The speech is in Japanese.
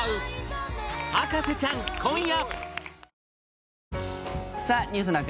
『博士ちゃん』今夜！